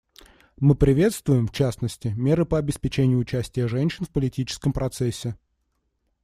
Мы приветствуем, в частности, меры по обеспечению участия женщин в политическом процессе.